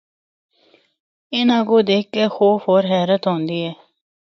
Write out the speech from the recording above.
اِناں کو دکھ کے خوف ہور حیرت ہوندی ہے۔